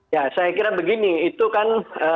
ya saya kira begini itu kan